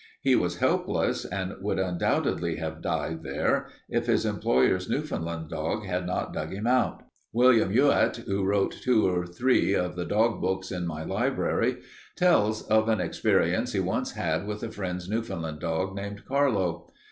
He was helpless and would undoubtedly have died there if his employer's Newfoundland dog had not dug him out. "William Youatt, who wrote two or three of the dog books in my library, tells of an experience he once had with a friend's Newfoundland dog named Carlo.